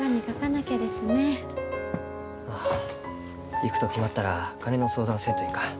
行くと決まったら金の相談せんといかん。